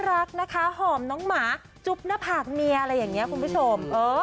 รักนะคะหอมน้องหมาจุ๊บหน้าผากเมียอะไรอย่างนี้คุณผู้ชม